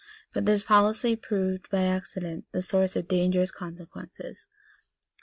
But this policy proved by accident the source of dangerous consequences.